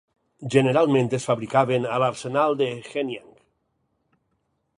Generalment es fabricaven a l'arsenal de Hanyang.